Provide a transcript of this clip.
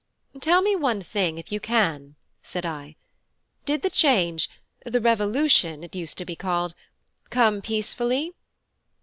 "Tell me one thing, if you can," said I. "Did the change, the 'revolution' it used to be called, come peacefully?"